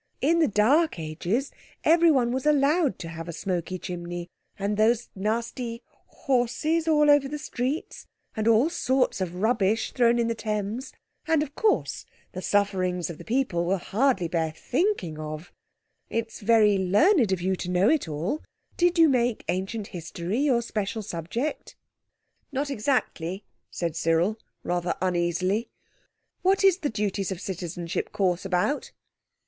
In the dark ages everyone was allowed to have a smoky chimney, and those nasty horses all over the streets, and all sorts of rubbish thrown into the Thames. And, of course, the sufferings of the people will hardly bear thinking of. It's very learned of you to know it all. Did you make Ancient History your special subject?" "Not exactly," said Cyril, rather uneasily. "What is the Duties of Citizenship Course about?"